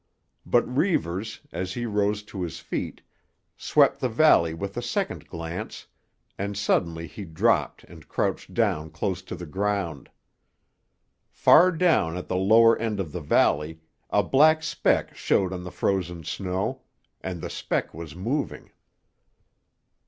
But Reivers, as he rose to his feet, swept the valley with a second glance, and suddenly he dropped and crouched down close to the ground. Far down at the lower end of the valley a black speck showed on the frozen snow, and the speck was moving.